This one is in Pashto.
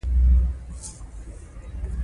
غټي کورنۍ د ګټو ترڅنګ زیات تاوانونه هم لري.